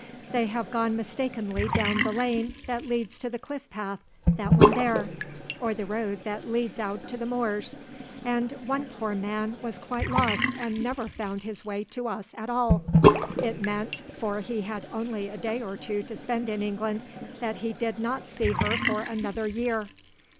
"They have gone mistakenly down the lane that leads to the cliff path, that one there, or the road that leads out to the moors. And one poor man was quite lost and never found his way to us at all. It meant, for he had only a day or two to spend in England, that he did not see her for another year.